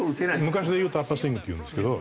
昔でいうとアッパースイングっていうんですけど。